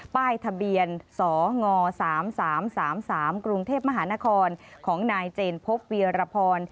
ป้ายทะเบียนสง๓๓กรุงเทพมหานครของนายเจนพบเวียรพร